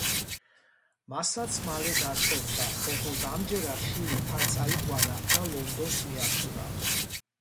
მასაც მალე გაშორდა, ოღონდ ამჯერად შვილი თან წაიყვანა და ლონდონს მიაშურა.